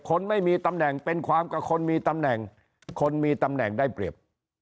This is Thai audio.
คนไม่มีตำแหน่งเป็นความกับคนมีตำแหน่งคนมีตำแหน่งได้เปรียบ